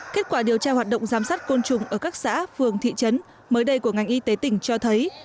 kết quả điều tra hoạt động giám sát côn trùng ở các xã phường thị trấn mới đây của ngành y tế tỉnh cho thấy